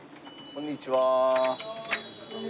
こんにちは。